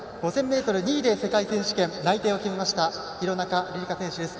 ５０００ｍ２位で世界選手権内定を決めました廣中璃梨佳選手です。